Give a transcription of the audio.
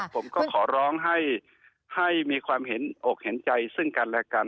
ผมก็ขอร้องให้มีความเห็นอกเห็นใจซึ่งกันและกัน